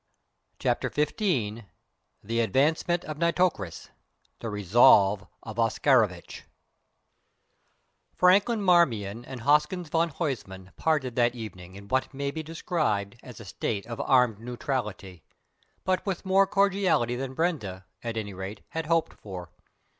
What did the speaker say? CHAPTER XV THE ADVANCEMENT OF NITOCRIS THE RESOLVE OF OSCAROVITCH Franklin Marmion and Hoskins van Huysman parted that evening in what may be described as a state of armed neutrality, but with more cordiality than Brenda, at any rate, had hoped for.